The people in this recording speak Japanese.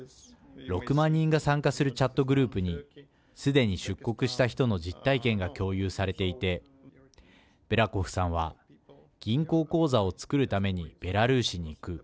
６万人が参加するチャットグループにすでに出国した人の実体験が共有されていてベラコフさんは銀行口座を作るためにベラルーシに行く。